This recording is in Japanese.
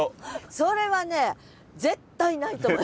それはね絶対ないと思います。